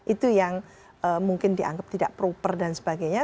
itu yang mungkin dianggap tidak proper dan sebagainya